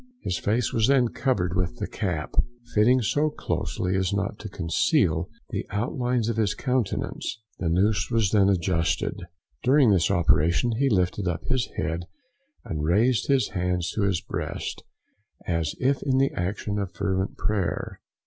His face was then covered with the cap, fitting so closely as not to conceal the outlines of his countenance, the noose was then adjusted. During this operation he lifted up his head and raised his hands to his breast, as if in the action of fervent prayer.